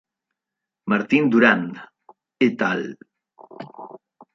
Martín-Durán "et al.